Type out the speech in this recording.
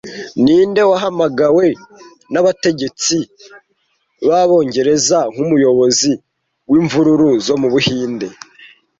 Ninde wahamagawe n'abategetsi b'Abongereza nk'umuyobozi w'imvururu zo mu Buhinde